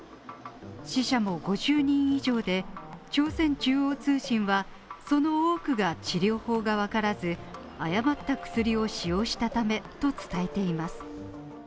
死者も５０人以上で、朝鮮中央通信は、その多くが治療法がわからず、誤った薬を使用したためと伝えています。